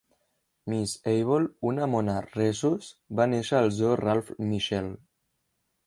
Miss Able, una mona rhesus, va néixer al zoo Ralph Mitchell.